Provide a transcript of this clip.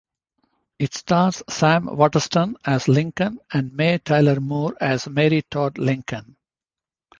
It stars Sam Waterston as Lincoln and Mary Tyler Moore as Mary Todd Lincoln.